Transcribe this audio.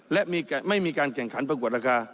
และไม่มีการแข่งขันประกวดราคา